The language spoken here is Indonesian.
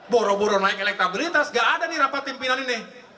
boro boro naik elektabilitas gak ada nih rapat pimpinan ini